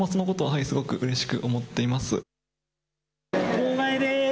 号外です。